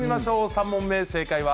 ３問目正解は。